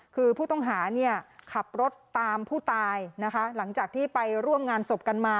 คือผู้ต้องหาเนี่ยขับรถตามผู้ตายนะคะหลังจากที่ไปร่วมงานศพกันมา